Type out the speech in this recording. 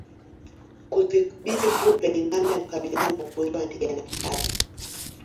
Kudhibiti kupe ni namna ya kukabiliana na ugonjwa wa ndigana kali